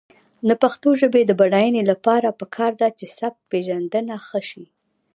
د پښتو ژبې د بډاینې لپاره پکار ده چې سبکپېژندنه ښه شي.